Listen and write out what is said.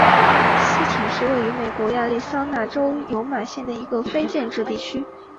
斯廷是位于美国亚利桑那州尤马县的一个非建制地区。